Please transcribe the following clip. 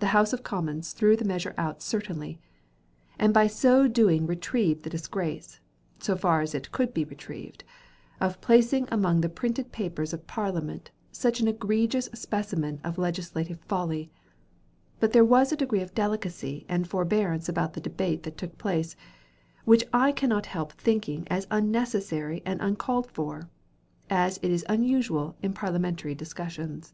The House of Commons threw the measure out certainly, and by so doing retrieved the disgrace—so far as it could be retrieved—of placing among the printed papers of Parliament, such an egregious specimen of legislative folly; but there was a degree of delicacy and forbearance about the debate that took place, which I cannot help thinking as unnecessary and uncalled for, as it is unusual in Parliamentary discussions.